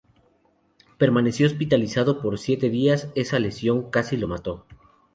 Permaneció hospitalizado por siete días, esa lesión casi lo mató.